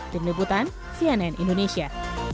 dengan debutan cnn indonesia